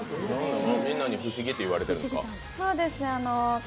みんなに不思議って言われているんですか？